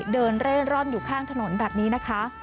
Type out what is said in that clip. เร่ร่อนอยู่ข้างถนนแบบนี้นะคะ